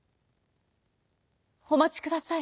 「おまちください。